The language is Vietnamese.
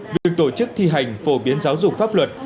việc tổ chức thi hành phổ biến giáo dục pháp luật